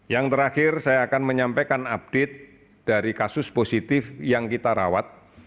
yang terakhir saya akan menyampaikan update dari kasus positif yang kita rawat